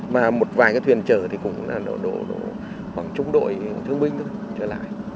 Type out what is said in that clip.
mà một vài cái thuyền trở thì cũng là đội khoảng trung đội thương binh thôi trở lại